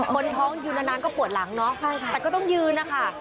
บนท้องยืนนานก็ปวดหลังเนาะแต่ก็ต้องยืนนะคะ